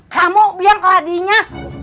kamu bilang ke ladinya